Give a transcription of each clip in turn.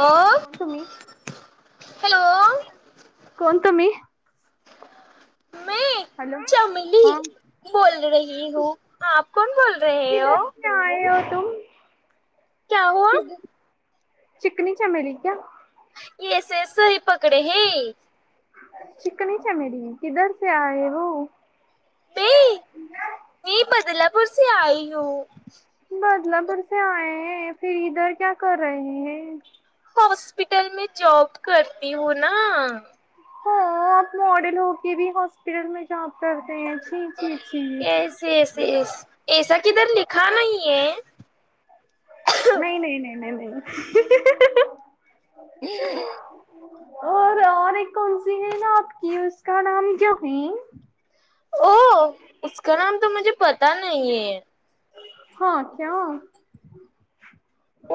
ओ कोणतूम्ही हेलो कोणतूम्ही. हॅलो चमली हा बोल रही हू आप कोण बोल रे हो आय हो तुम क्या हुआ चिकनी चमेली क्या येस येस सही पकडे हे चिकन चमेली किधर स आय व बे मी बदलापूर स आई ह बदलापरसे आय है फिर इधर क्या कर रहे है हॉस्पिटल मे जॉब करती हू ना हा आप मॉडल होक भी हॉस्पिटल मे जॉब करते ह स स ऐस किधर लिखा नाही आहे नाही नाही नाही नाही नाही हम् ह और और एक कोणस है ना आपकी उका नाम गहीम उका नम त मुजे पता नाही हे हा क्या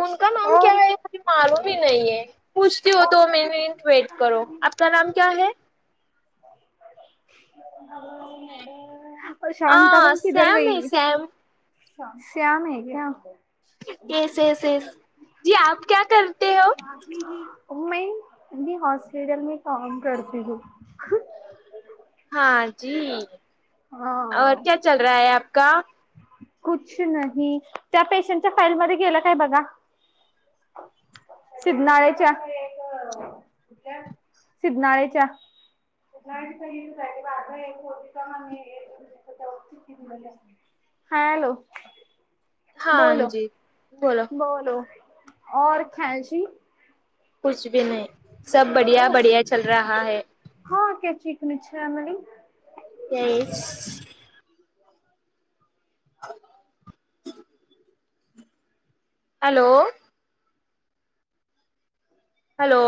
उनका नाम क्या और, ह क मालूम ह नाही है पुूछते होतो मी वेट करो आपका नम क्या ह आ प्रशांताबाई किधर सॅम है गयी सॅम श्याम आहे क्या येस येस येस जी आप क्या करते हो उमे नी हॉस्पिटल मी काम करयी हु हां जी और हा क्या चल रहा ह आपका कुछ नाही त्या पेशंटच्या फाईलमध्येगेला काय बघा सिधनाळेच्या सिधनळेच्या [unintelligible] [inaudible] हा हॅलो बोलो हाँ जी बोलो और खायची कुछ भी नाही सब बढिया बढिया चल रहा है हाक्याचीकणछछे आम्हाली एस [unintelligible] [inaudible] हॅलो हॅलो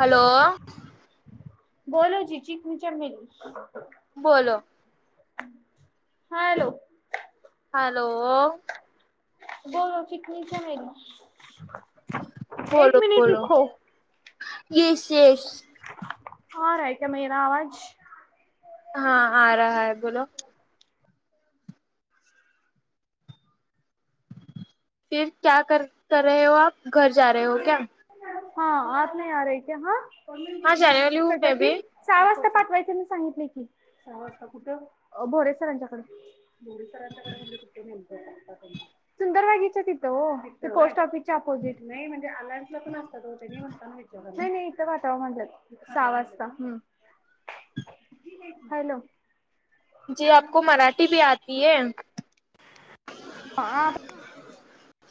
हॅलो बोलो जी चिकणी चमेली. बोलो हा हॅलो हॅलो बोलो चिकणी चमेली. बोल एक मिनिट बोल रुको येस येस हा राय का महि ना आवाज. हा आ रहा ह बोोलो. फिर क्या कर रे हो आप घर जा र हो क्या? हा आप नाही आ रे क ह हाँ जाने वाली हूँ कसा मैं की. भी सहा वाजता पाठवायचे मी सांगितले की सहा वाजता कुठे भोरे सर यांच्याकडे. मोरे सरांच्याकडे म्हणजे कुठं नेमकं. सुंदरबागेच्या तिथं पोस्ट ऑफिसच्या अपोजिट नाही म्हणजे, नाही इथं वातावर म्हटात सहा वाजता. हॅलो! जी आपको मराठी भी आती ह. ह.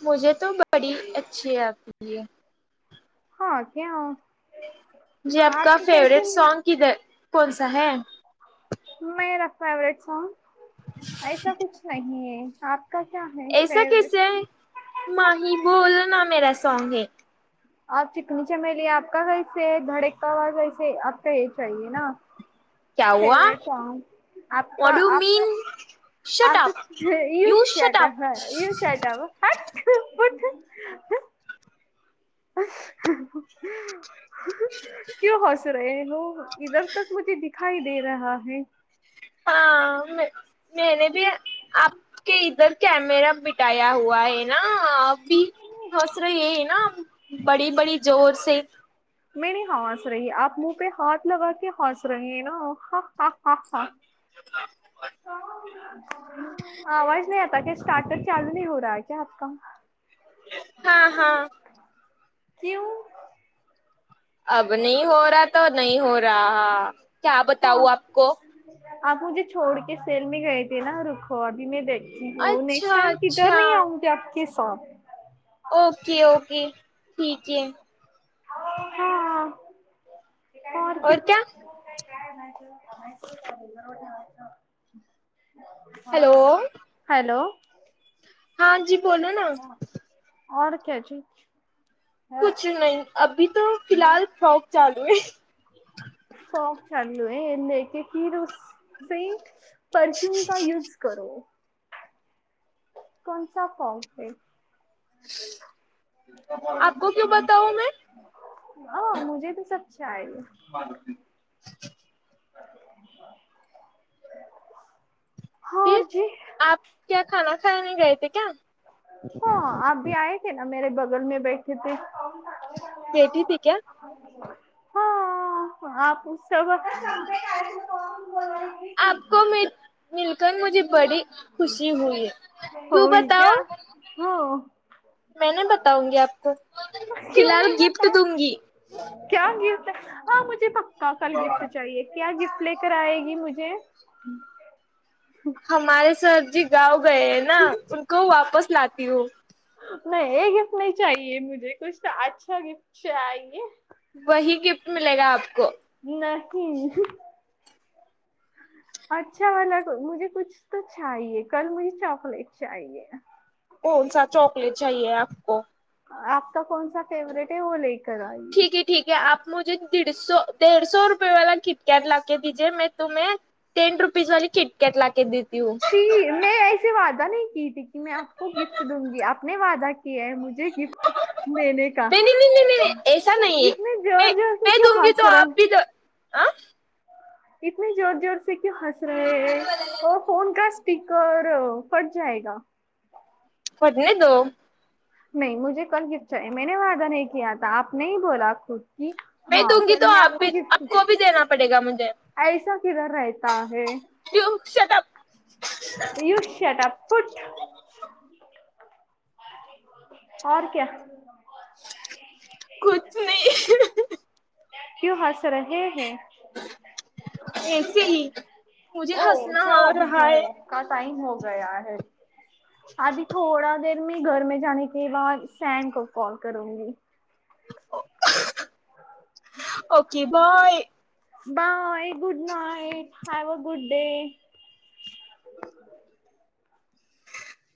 मुजे तो बडी अच्छी आप- हा क्या. जी आपपका आपके फेवरेट कैसे सॉग कधर कोणसा है. मे फेवरेट सॉग ऐस कुछ नाही आप का क्या है. एसा कस फेवरेट आहे माही बोल ना मेरा सॉग है. आप चिकनी चमेली आप का कैसे धडकका ह कैसे आप का हे चे ना, क्या हुआ favourite what song do you आपकाका, मीन शट आप अप यु शट अप हा यु शट अप अठठ फुट क्यु हस रु इधर. तक मुे दिखाई दे रहा है. हा म मने भ आपक इधर- कॅमेरा मििटाया हुआ है ना अी हसरा ये है ना. बडी बडी जोरसे. मी नाही हवस रही आप मुह पे हात लग के हॉस र है ना ह हा. हा [unintelligible] आवाज नाही आता क स्टार्टअप लू नाही हो रहा क्या आपका. हा हा किू. अब नाही हो रहा त नाही हो रहा क्या हाँ बताऊ आपको. आप मुजे छोड के शेल मे गय तेे ना रुखो अभी मी दे. हो नेक्स्ट अच्छा टाइम किधर अच्छा नाही आउगी आपक सा- ओके ओके ठीक आहे. हा. और काययचयचयच क्या हा. Hello hello! हां जी बोोलो ना. और कयची. कुछ नाही अभी त फिलहल फ्रॉक चालू आहे. फोप चालू आहे लक कि रुस. परफ्यूम का यूज करो. कोणसा फॉर्म आहे. आपको क्यू बताव म. अ मुजे त स्छा आहे ह [inaudible] [unintelligible] फिर ह जी आप क खा खाने गयथे क हा अ भी आय क ना मेे बगल मे बैठे ते बेटी थी क्या.... हा आप... कवापासून बोलवायला ये की.... आपको मिल मिलकर मुझे बडी खुशी हुंई है क्यू होई क्या बताऊ.... हो. मै नाही बताऊंगी आपको क्यों फिलहल नहीं गिफ्ट बता दूंगी. क्या गिफ्ट हा मुे पक्का कल गिफ्ट चे क्या गिफ्ट लकर आयगी मुझे. हमारे सर जी गाव गय है ना उको वापस लाी ह नाही गिफ्ट नाही चाहिए मुजे कुछ अच्छा गिफ्ट चाहिए.... वही गिफ्ट मिलेग आपको... नहीं... अच्छा वाला करूगी मुझे कुछ तो चाहिए कल मुझे चॉकलेट चाहिए... कोणसा चॉकलेट चाहिए आपको आपका कोणसा फेवरेट है वो लकर आ जाओ... ठीके ठीक ह आप मुझे दीड सो देड सो रुपये वाला कीटकॅट ला के दीजे मै तुम्हे... टेन रुपीस वाली किटकट लाके देत... शी मे से वादा नाही क ती की म आपको गिफ्ट दूंगी आपने व वादा कीया हे... लेकीन मेने नहीं नहीं नहीं नहीं काहा...... नहीं ऐसा नहीं है इतने जोर जोर से क्यू खास रहा है... आं... इतने जोर जोर से क्यु खास रहा है.... फोन का स्पीकर फट जायेगा.... फटने दो.. नाही मुझे कल गिफ्ट चाहिए मैंने वादा नही किया था आपने ही बोला था खुद.. कि मै हाँ दूंगी कल तो मैं आप आपको भी गिफ्ट आपको भी देना पडेगा मुझे.. ऐसा किधर राहता है.... जो shut up..... you shut up फूट..... और क्या? ह [unintelligible] क्यू हस रहे है..... ऐसे ही [unintelligible] मुझे हंसना आ रहा है त्या टाईम हो गया है... आभी थोडा देर मी घर मे जाने के बा सॅन को कॉल करुंगी.... okay bye.... bye good night have a good day..... हो.....